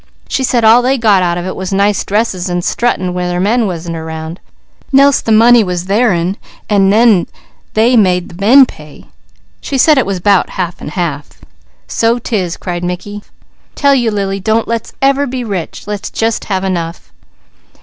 She said all they got out of it was nice dresses an' struttin' when their men wasn't 'round; nelse the money was theirn, an' nen they made the men pay. She said it was 'bout half and half." "So 'tis!" cried Mickey. "Tell you Lily, don't let's ever be rich! Let's just have enough."